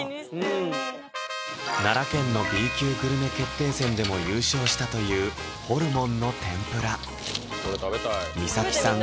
奈良県のＢ級グルメ決定戦でも優勝したというホルモンの天ぷら美咲さん